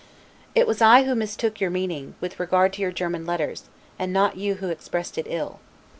It was I who mistook your meaning, with regard to your German letters, and not you who expressed it ill.